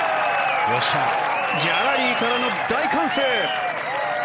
ギャラリーからの大歓声！